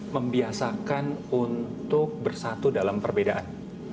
membiasakan untuk bersatu dalam perbedaan